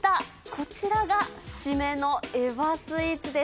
こちらが締めのエヴァスイーツです！